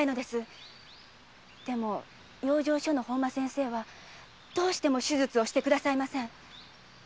でも養生所の本間先生はなぜか手術をしてくださいません。